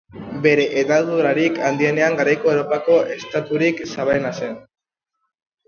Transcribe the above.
Bere hedadurarik handienean, garaiko Europako estaturik zabalena zen.